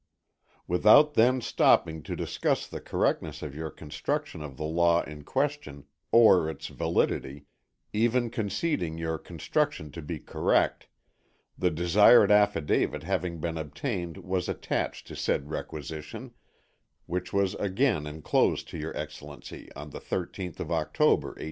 Without then stopping to discuss the correctness of your construction of the law in question, or its validity, even conceding your construction to be correct, the desired affidavit having been obtained was attached to said requisition, which was again enclosed to your Excellency on the 13th of October, 1887.